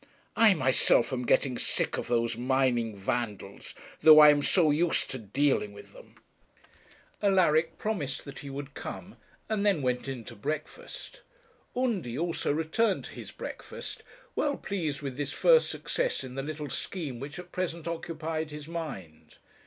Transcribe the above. I myself am getting sick of those mining Vandals, though I am so used to dealing with them.' Alaric promised that he would come, and then went in to breakfast. Undy also returned to his breakfast, well pleased with this first success in the little scheme which at present occupied his mind.